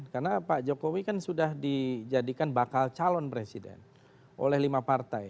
karena pak jokowi kan sudah dijadikan bakal calon presiden oleh lima partai